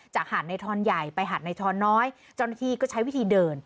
หาดในทอนใหญ่ไปหาดในทอนน้อยเจ้าหน้าที่ก็ใช้วิธีเดิน